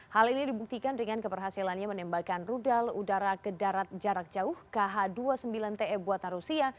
hal ini dibuktikan dengan keberhasilannya menembakkan rudal udara ke darat jarak jauh kh dua puluh sembilan te buatan rusia